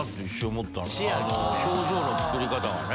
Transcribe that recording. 表情の作り方がね。